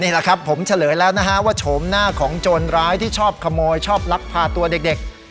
แหละครับผมเฉลยแล้วนะฮะว่าโฉมหน้าของโจรร้ายที่ชอบขโมยชอบลักพาตัวเด็ก